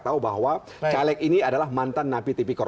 tahu bahwa caleg ini adalah mantan napi tipikor